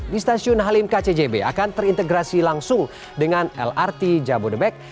di stasiun halim kcjb akan terintegrasi langsung dengan lrt jabodebek